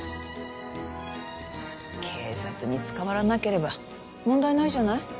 警察に捕まらなければ問題ないじゃない。